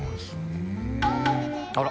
あら！